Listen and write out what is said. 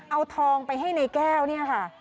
เอาทองไปให้ในแก้วเนี่ยค่ะ